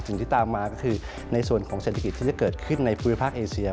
สิ่งที่ตามมาก็คือในส่วนของเศรษฐกิจที่จะเกิดขึ้นในภูมิภาคเอเซีย